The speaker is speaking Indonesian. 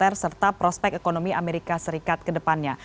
arah kebijakan moneter serta prospek ekonomi amerika serikat kedepannya